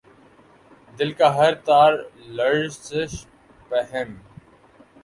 دل کا ہر تار لرزش پیہم